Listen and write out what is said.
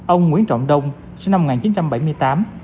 ông nguyễn trọng đông sinh năm một nghìn chín trăm bảy mươi tám